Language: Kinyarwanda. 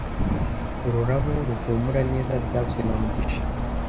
Ururabo ruhumura neza byavuzwe na mugisha